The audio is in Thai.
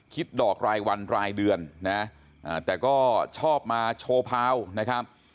ดอกรายวันรายเดือนนะแต่ก็ชอบมาโชว์พาวนะครับ